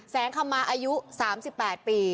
คำมาอายุ๓๘ปี